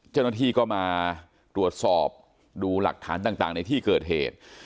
เจ้าหน้าที่ก็มาตรวจสอบดูหลักฐานต่างในที่เกิดเหตุ